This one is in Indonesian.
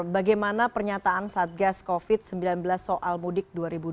bagaimana pernyataan satgas covid sembilan belas soal mudik dua ribu dua puluh